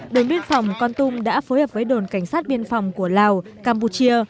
đồn biên phòng con tum đã phối hợp với đồn cảnh sát biên phòng của lào campuchia